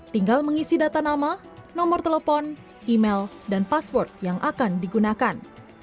tinggal mengisi data nama nomor telepon email dan password yang akan digunakan